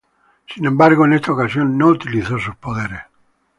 Sin embargo, en esta ocasión no utilizó sus poderes.